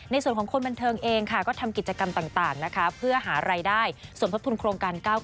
ในส่วนของคนบันเทิงเอง